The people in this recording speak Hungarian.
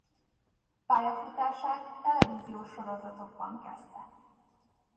Pályafutását televíziós sorozatokban kezdte.